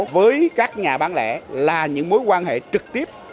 với các nhà bán lẻ là những mối quan hệ trực tiếp